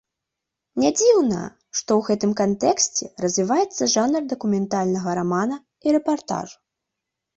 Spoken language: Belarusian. Нядзіўна, што ў гэтым кантэксце развіваецца жанр дакументальнага рамана і рэпартажу.